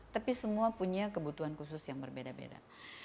tapi semua punya kebutuhan khusus yang berbeda beda